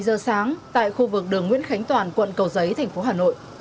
bảy giờ sáng tại khu vực đường nguyễn khánh toàn quận cầu giấy tp hà nội